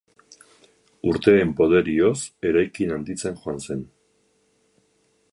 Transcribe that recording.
Urteen poderioz, eraikin handitzen joan zen.